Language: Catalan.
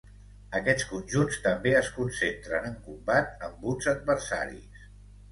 Aquests conjunts també es concentren en combat amb uns adversaris.